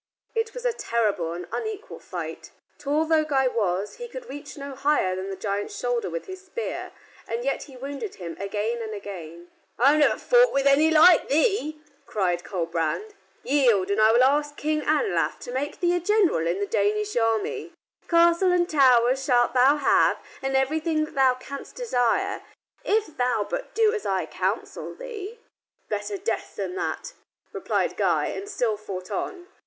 It was a terrible and unequal fight. Tall though Guy was, he could reach no higher than the giant's shoulder with his spear, but yet he wounded him again and again. "I have never fought with any like thee," cried Colbrand. "Yield, and I will ask King Anlaf to make thee a general in the Danish army. Castle and tower shalt thou have, and everything that thou canst desire, if thou but do as I counsel thee." "Better death than that," replied Guy, and still fought on.